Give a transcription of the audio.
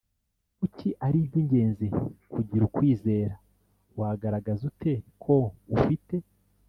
kuki ari iby ingenzi kugira ukwizera wagaragaza ute ko ufite